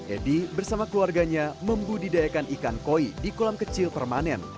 edi bersama keluarganya membudidayakan ikan koi di kolam kecil permanen